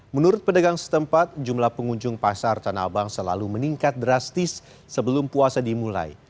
menurut pedagang setempat jumlah pengunjung pasar tanah abang selalu meningkat drastis sebelum puasa dimulai